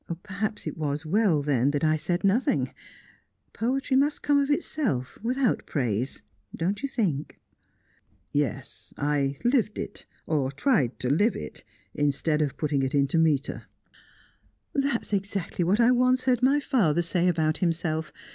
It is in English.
"Perhaps it was as well, then, that I said nothing. Poetry must come of itself, without praise don't you think?" "Yes, I lived it or tried to live it instead of putting it into metre." "That's exactly what I once heard my father say about himself.